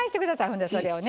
ほんでそれをね。